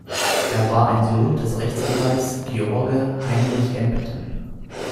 Er war ein Sohn des Rechtsanwalts George Heinrich Embden.